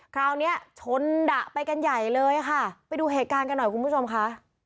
เนี้ยชนดะไปกันใหญ่เลยค่ะไปดูเหตุการณ์กันหน่อยคุณผู้ชมค่ะ